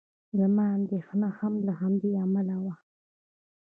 زما اندېښنه هم له همدې امله وه.